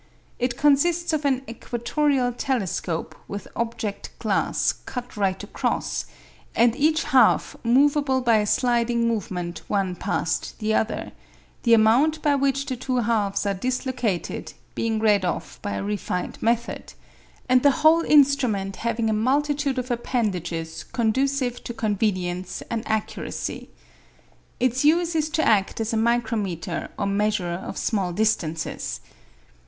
It consists of an equatorial telescope with object glass cut right across, and each half movable by a sliding movement one past the other, the amount by which the two halves are dislocated being read off by a refined method, and the whole instrument having a multitude of appendages conducive to convenience and accuracy. Its use is to act as a micrometer or measurer of small distances.